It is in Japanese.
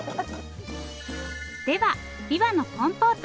ではびわのコンポート。